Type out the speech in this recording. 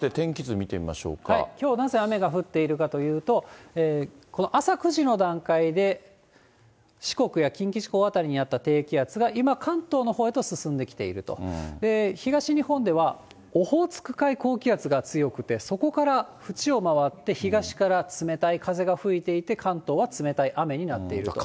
きょう、なぜ雨が降っているかというと、この朝９時の段階で、四国や近畿地方辺りにあった低気圧が、今、関東のほうへと進んできていると。東日本ではオホーツク海高気圧が強くて、そこから縁を回って、東から冷たい風が吹いていて、関東は冷たい雨になっていると。